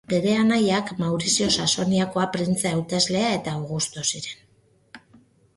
Bere anaiak Maurizio Saxoniakoa printze hauteslea eta Augusto ziren.